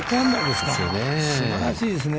すばらしいですね。